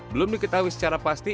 belum diketahui secara pasti